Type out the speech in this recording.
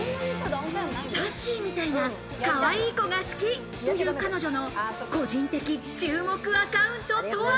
さっしーみたいなかわいい子が好きという彼女の個人的注目アカウントとは？